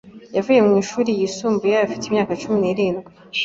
Yavuye mu mashuri yisumbuye afite imyaka cumi n'irindwi.